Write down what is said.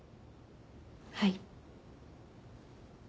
はい。